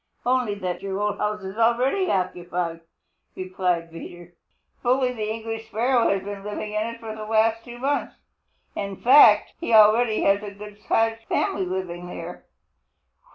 "Only that our old house is already occupied," replied Peter. "Bully the English Sparrow has been living in it for the last two months. In fact, he already has a good sized family there."